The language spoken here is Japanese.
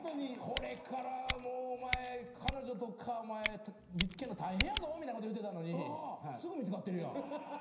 これからもうお前彼女とか見つけんの大変やぞみたいなこと言うてたのにすぐ見つかってるやん。